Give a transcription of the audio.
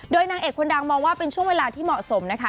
นางเอกคนดังมองว่าเป็นช่วงเวลาที่เหมาะสมนะคะ